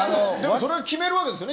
それを決めるわけですよね